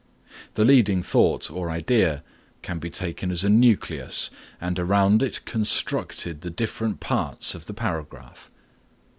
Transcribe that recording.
The leading thought or idea can be taken as a nucleus and around it constructed the different parts of the paragraph.